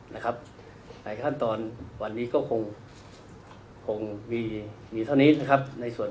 ในขั้นตอนวันนี้ก็คงมีเท่านี้นะครับ